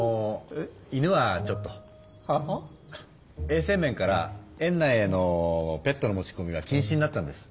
衛生面から園内へのペットの持ちこみは禁止になったんです。